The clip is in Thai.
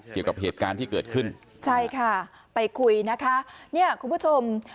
เกี่ยวกับเหตุการณ์ที่เกิดขึ้นใช่ค่ะไปคุยนะคะเนี่ยคุณผู้ชม